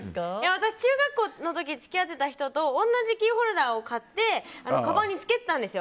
私、中学校の頃付き合っていた人と同じキーホルダーを買ってかばんにつけてたんです。